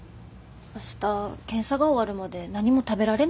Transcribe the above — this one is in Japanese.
明日検査が終わるまで何も食べられないんでしょ？